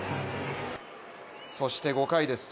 そして、５回です